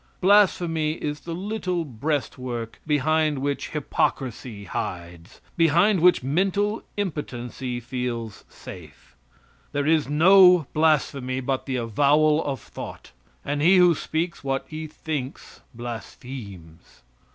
Blasphemy is the little breast work behind which hypocrisy hides; behind which mental impotency feels safe. There is no blasphemy but the avowal of thought, and he who speaks what he thinks blasphemes.